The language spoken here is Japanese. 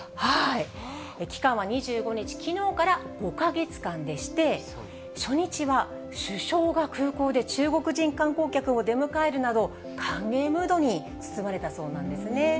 期間は２５日、きのうから５か月間でして、初日は首相が空港で中国人観光客を出迎えるなど、歓迎ムードに包まれたそうなんですね。